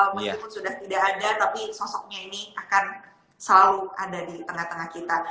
meskipun sudah tidak ada tapi sosoknya ini akan selalu ada di tengah tengah kita